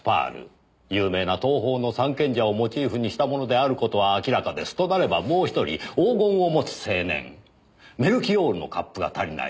有名な東方の三賢者をモチーフにしたものである事は明らかです。となればもう１人黄金を持つ青年メルキオールのカップが足りない。